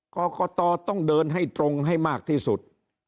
กรกตต้องเดินให้ตรงให้มากที่สุด